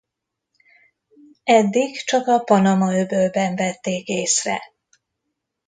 Eddig csak a Panama-öbölben vették észre.